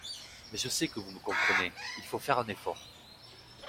…mais je sais que vous me comprendrez : il faut faire un effort.